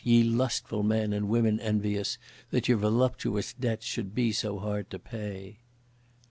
ye lustful men and women envious, that your voluptuous debts should be so hard to pay!